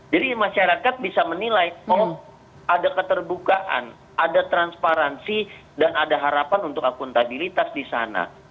jadi masyarakat bisa menilai oh ada keterbukaan ada transparansi dan ada harapan untuk akuntabilitas di sana